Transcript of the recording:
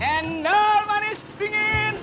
cendol manis dingin